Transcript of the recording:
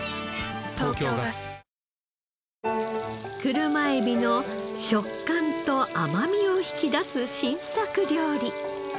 車エビの食感と甘みを引き出す新作料理。